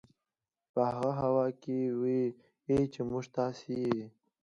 په هغه هوا کې وي چې موږ تاسې یې